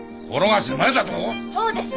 そうです。